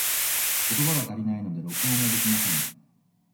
言葉が足りないので、録音ができません。